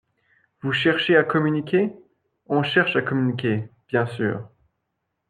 Vous cherchez à communiquer. On cherche à communiquer, bien sûr.